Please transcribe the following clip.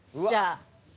じゃあ。